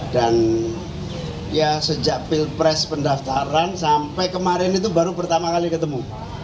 dan ya sejak pilpres pendaftaran sampai kemarin itu baru pertama kali ketemu